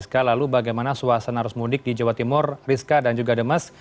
lalu bagaimana suasana arus mudik di jawa timur rizka dan juga demes